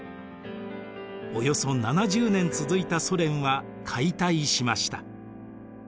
およそ７０年続いたソ連は解体しました。